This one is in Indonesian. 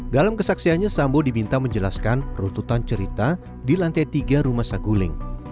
dalam kesaksiannya sambo diminta menjelaskan runtutan cerita di lantai tiga rumah saguling